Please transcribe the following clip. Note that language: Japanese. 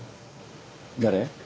誰？